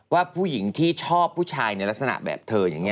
ว่าผู้หญิงที่ชอบผู้ชายในลักษณะแบบเธออย่างนี้